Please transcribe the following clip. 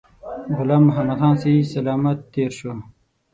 غلام محمدخان صحی سلامت تېر شو.